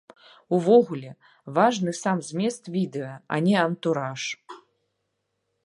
Увогуле, важны сам змест відэа, а не антураж.